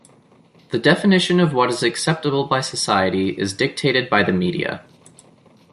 The definition of what is acceptable by society is dictated by the media.